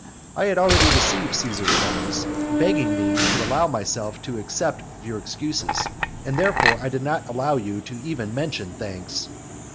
I had already received Caesar's letters, begging me to allow myself to accept of your excuses; and therefore, I did not allow you even to mention thanks.